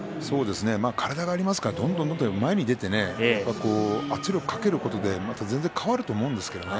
体がありますからどんどん前に出て圧力をかけることでまた全然変わると思うんですけどね。